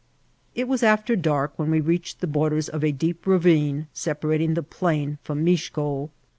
It was after dark when we reached the borders of a deep ravine separating the plain from Mixco.